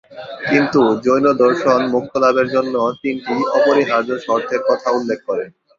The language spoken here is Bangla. কিন্তু জৈনদর্শন মোক্ষলাভের জন্য তিনটি অপরিহার্য শর্তের কথা উল্লেখ করে।